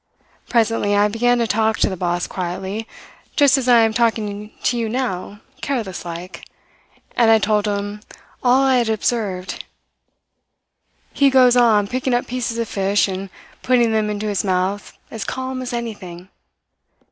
Presently I began to talk to the boss quietly, just as I am talking to you now, careless like, and I told him all I had observed. He goes on picking up pieces of fish and putting them into his mouth as calm as anything.